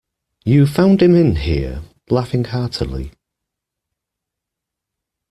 You found him in here, laughing heartily.